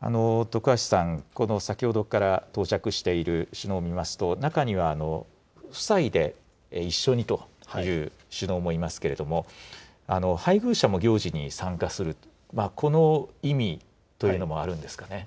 徳橋さん、この先ほどから到着している首脳を見ますと、中には夫妻で一緒にという首脳もいますけれども、配偶者も行事に参加する、この意味というのもあるんですかね。